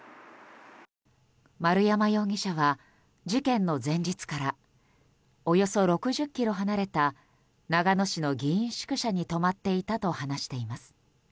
丸山容疑者は事件の前日からおよそ６０ｋｍ離れた長野市の議員宿舎に泊まっていたと話しています。